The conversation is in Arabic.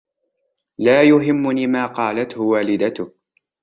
لا يهمني ما قالتهُ والدتك.